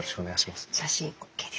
写真ＯＫです！